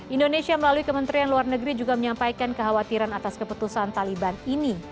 indonesia melalui kementerian luar negeri juga menyampaikan kekhawatiran atas keputusan taliban ini